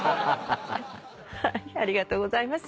ありがとうございます。